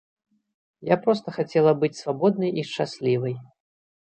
Я проста хацела быць свабоднай і шчаслівай.